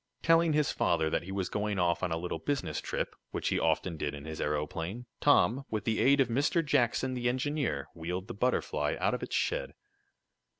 Telling his father that he was going off on a little business trip, which he often did in his aeroplane, Tom, with the aid of Mr. Jackson, the engineer, wheeled the Butterfly out of its shed.